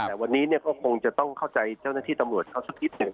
แต่วันนี้ก็คงจะต้องเข้าใจเจ้าหน้าที่ตำรวจเขาสักนิดหนึ่ง